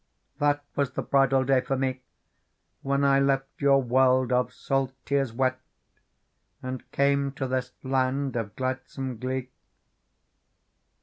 That was the bridal day for me When I left your world of salt tears wet. And came to this land of gladsome glee.